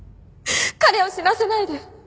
彼を死なせないで。